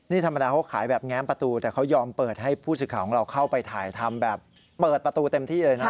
นี่ธรรมดาเขาขายแบบแง้มประตูแต่เขายอมเปิดให้ผู้สื่อข่าวของเราเข้าไปถ่ายทำแบบเปิดประตูเต็มที่เลยนะ